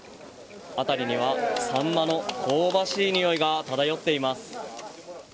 あたりにはサンマの香ばしいにおいが漂っています。